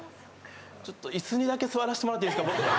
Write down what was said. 椅子にだけ座らせてもらっていいですか？